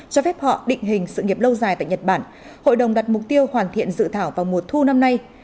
cho phép họ định hình sự nghiệp lâu dài tại nhật bản hội đồng đặt mục tiêu hoàn thiện dự thảo vào mùa thu năm nay